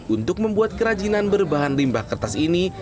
untuk membuat kerajinan berbahan limbah kertas ini